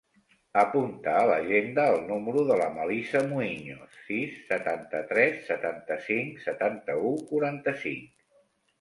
Apunta a l'agenda el número de la Melissa Muiños: sis, setanta-tres, setanta-cinc, setanta-u, quaranta-cinc.